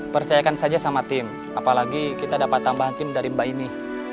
percayakan saja sama tim apalagi kita dapat tambahan tim dari mbak ini